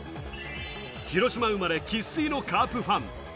広島生まれ、生粋のカープファン。